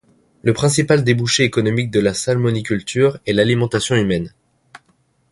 Le principal débouché économique de la salmoniculture est l'alimentation humaine.